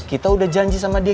kita udah janji sama dia